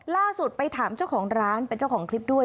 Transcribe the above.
ล่าสุดไปถามเจ้าของร้านเป็นเจ้าของคลิปด้วย